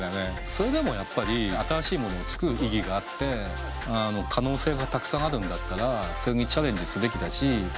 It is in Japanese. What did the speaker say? それでもやっぱり新しいものを作る意義があって可能性がたくさんあるんだったらそれにチャレンジすべきだし。